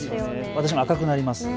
私も赤くなります。